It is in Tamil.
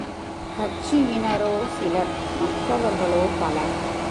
கட்சியினரோ சிலர், மற்றவர்களோ பலர்.